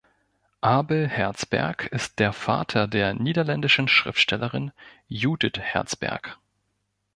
Abel Herzberg ist der Vater der niederländischen Schriftstellerin Judith Herzberg.